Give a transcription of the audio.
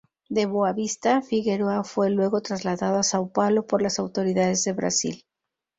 De Boavista, Figueroa fue luego trasladado a São Paulo por las autoridades de Brasil.